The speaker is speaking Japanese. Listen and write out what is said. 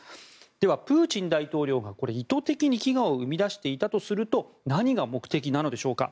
では、プーチン大統領が意図的に飢餓を生み出していたとすると何が目的なのでしょうか。